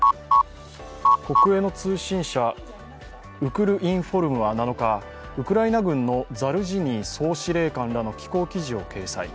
国営の通信社・ウクルインフォルムは７日、ウクライナ軍のザルジニー総司令官らの寄稿記事を掲載。